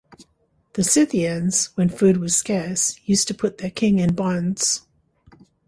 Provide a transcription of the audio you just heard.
The Scythians, when food was scarce, used to put their king in bonds.